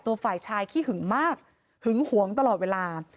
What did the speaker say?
ฝ่ายชายขี้หึงมากหึงหวงตลอดเวลา